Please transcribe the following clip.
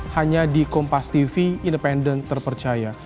hanya di kompas tv independen terpercaya